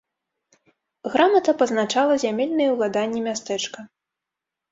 Грамата пазначала зямельныя ўладанні мястэчка.